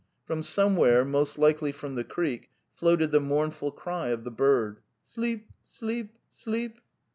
From somewhere, most likely from the creek, floated the mournful cry of the bird: "Sleep! sleep! sleep!"